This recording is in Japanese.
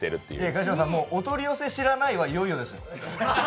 川島さん、お取り寄せ知らないはいよいよですよね。